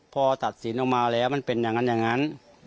พอตัดสินออกมาแล้วมันเป็นอย่างนั้นอย่างนั้น